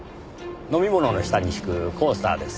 飲み物の下に敷くコースターです。